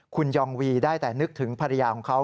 คุณยองวีได้แต่นึกถึงภรรยาของเขา